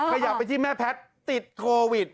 ขยับไปที่แม่แพทย์ติดโควิด